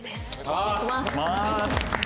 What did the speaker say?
お願いします。